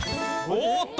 おっと！